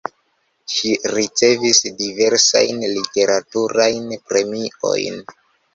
Ŝi ricevis diversajn literaturajn premiojn.